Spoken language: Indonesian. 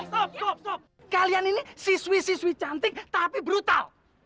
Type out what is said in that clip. stop stop stop kalian ini siswi siswi cantik tapi brutal